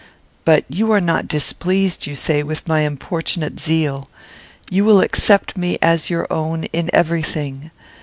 But you are not displeased, you say, with my importunate zeal. You will accept me as your own in every thing.